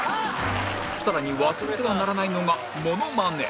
さらに忘れてはならないのがモノマネ